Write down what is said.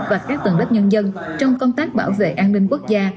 và các tầng lớp nhân dân trong công tác bảo vệ an ninh quốc gia